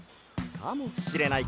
かもしれない